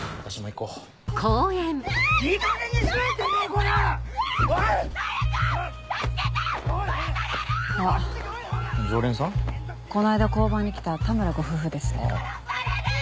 この間交番に来た田村ご夫婦です。